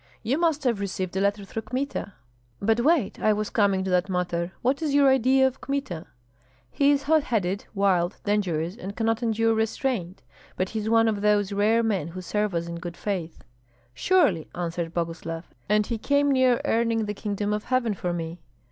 You must have received a letter through Kmita." "But wait! I was coming to that matter. What is your idea of Kmita?" "He is hot headed, wild, dangerous, and cannot endure restraint; but he is one of those rare men who serve us in good faith." "Surely," answered Boguslav; "and he came near earning the kingdom of heaven for me."